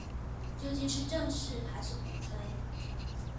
究竟是正視還是鼓吹